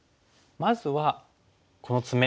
まずはこのツメ。